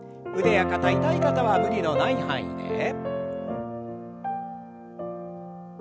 腕や肩痛い方は無理のない範囲で。